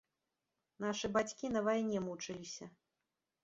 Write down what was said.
Нашы бацькі на вайне мучыліся.